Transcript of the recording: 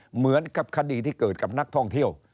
เหมือนกับคดีที่เกิดกับนักท่องเที่ยว